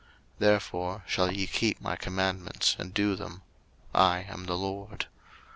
03:022:031 Therefore shall ye keep my commandments, and do them: I am the LORD.